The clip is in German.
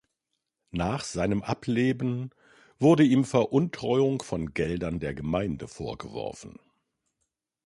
Nach seinen Ableben wurde ihm Veruntreuung von Geldern der Gemeinde vorgeworfen.